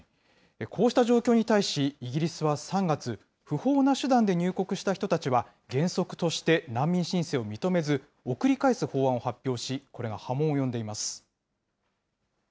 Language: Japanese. こうした状況に対し、イギリスは３月、不法な手段で入国した人たちは、原則として難民申請を認めず、送り返す法案を発表し、これが波紋を呼んでいます。